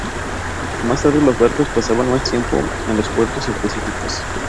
Más tarde, los barcos pasaban más tiempo en los puertos específicos.